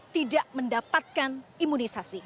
tidak mendapatkan imunisasi